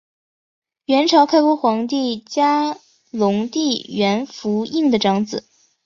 阮朝开国皇帝嘉隆帝阮福映的长子。